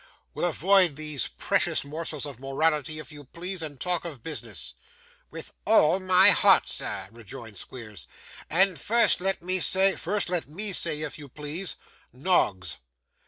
'We'll avoid these precious morsels of morality if you please, and talk of business.' 'With all my heart, sir,' rejoined Squeers, 'and first let me say ' 'First let ME say, if you please. Noggs!